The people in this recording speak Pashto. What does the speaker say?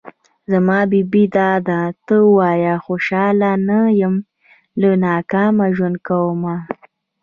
زما بې بې دادا ته وايه خوشحاله نه يم له ناکامه ژوند کومه